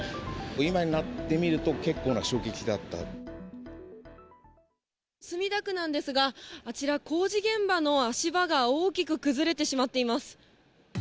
今になってみると、結構な衝墨田区なんですが、あちら、工事現場の足場が大きく崩れてしまっています。